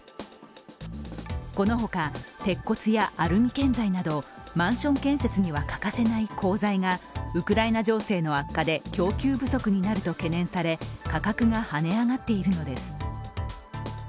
この他、鉄骨やアルミ建材などマンション検察には欠かせない鋼材がウクライナ情勢の悪化で供給不足になると懸念され価格がはね上がっているのです。